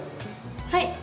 はい！